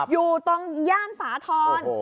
อยู่ตรงย่านสาธรณ์